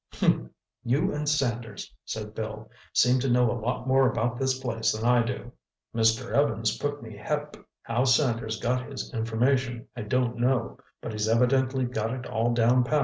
"Humph! You and Sanders," said Bill, "seem to know a lot more about this place than I do." "Mr. Evans put me hep. How Sanders got his information, I don't know, but he's evidently got it all down pat.